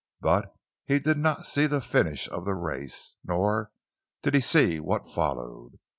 But he did not see the finish of the race, nor did he see what followed.